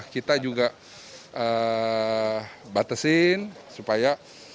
kita juga batasin supaya